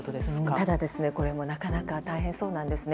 ただ、これもなかなか大変そうなんですね。